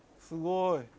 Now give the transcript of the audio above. すごい。